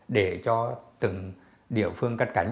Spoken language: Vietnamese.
để cho từng địa phương cắt cánh